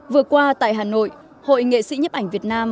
vừa qua tại hà nội hội nghệ sĩ nhấp ảnh việt nam